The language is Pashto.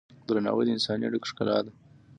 درناوی د انساني اړیکو ښکلا ده.